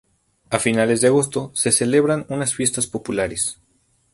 A finales de agosto se celebran unas fiestas populares.